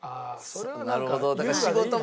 なるほど。